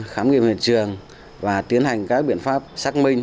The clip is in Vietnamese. khám nghiệm hiện trường và tiến hành các biện pháp xác minh